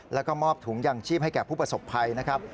แล้วก็มอบถุงยางชีพให้แก่ผู้ประสบภัยนะครับ